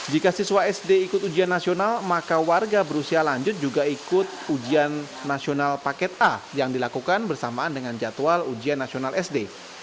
jika siswa sd ikut ujian nasional maka warga berusia lanjut juga ikut ujian nasional paket a yang dilakukan bersamaan dengan jadwal ujian nasional sd